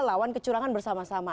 lawan kecurangan bersama sama